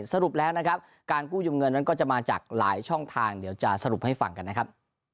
สรุปแล้วนะครับการกู้ยืมเงินนั้นก็จะมาจากหลายช่องทางเดี๋ยวจะสรุปให้ฟังกันนะครับ